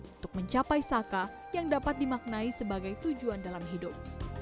untuk mencapai saka yang dapat dimaknai sebagai tujuan dalam hidup